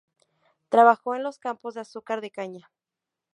Trabajó en los campos de azúcar de caña.